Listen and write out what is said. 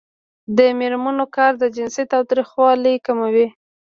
د میرمنو کار د جنسي تاوتریخوالي کموي.